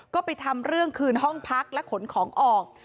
ก็ไปทำเรื่องคืนห้องพักและขนของออก